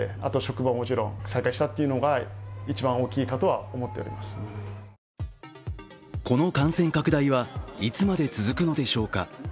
クリニックの院長はこの感染拡大はいつまで続くのでしょうか。